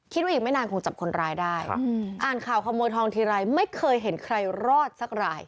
อีกไม่นานคงจับคนร้ายได้อ่านข่าวขโมยทองทีไรไม่เคยเห็นใครรอดสักราย